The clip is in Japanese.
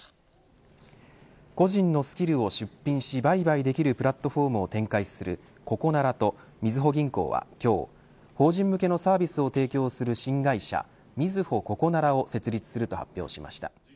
個人のスキルを出品し売買できるプラットフォームを展開するココナラとみずほ銀行は今日邦人向けのサービスを提供する新会社みずほココナラを設立すると発表しました。